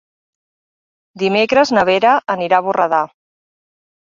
Dimecres na Vera anirà a Borredà.